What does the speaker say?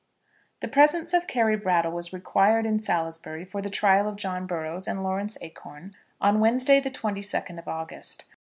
The presence of Carry Brattle was required in Salisbury for the trial of John Burrows and Lawrence Acorn on Wednesday the 22nd of August.